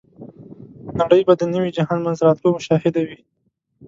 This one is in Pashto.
نړۍ به د نوي جهان منځته راتلو شاهده وي.